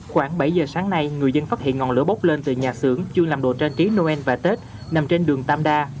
khoảng bảy giờ sáng nay người dân phát hiện ngọn lửa bốc lên từ nhà xưởng chuyên làm đồ trang trí noel và tết nằm trên đường tam đa